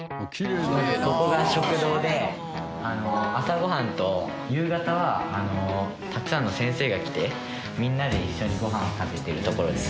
ここが食堂で朝ご飯と夕方はたくさんの先生が来てみんなで一緒にご飯を食べている所です。